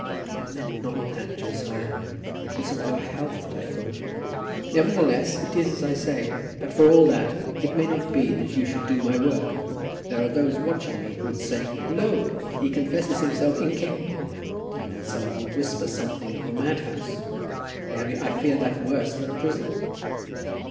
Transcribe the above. "I meant not that, Josiah. It was of your health that I thought." "Nevertheless it is as I say; but, for all that, it may not be that you should do my work. There are those watching me who would say, 'Lo! he confesses himself incapable.' And then some one would whisper something of a madhouse. Mary, I fear that worse than a prison."